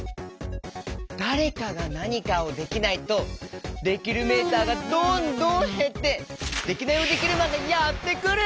だれかがなにかをできないとできるメーターがどんどんへってデキナイヲデキルマンがやってくる！